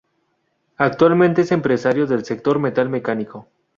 Actualmente es empresario del sector metal mecánico.